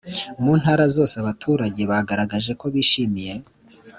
Mu ntara zose abaturage bagaragaje ko bishimiye